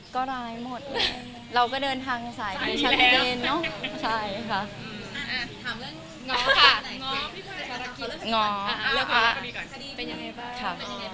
ก็ร้ายหมดเลยเราก็เดินทางในสายพีชันเตนเนาะ